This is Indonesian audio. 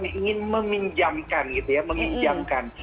yang ingin meminjamkan gitu ya meminjamkan